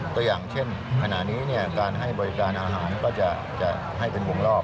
ตัวอย่างเช่นขณะนี้การให้บริการอาหารก็จะให้เป็นวงรอบ